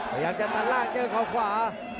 พยายามจะตัดล่างเจอเขาขวา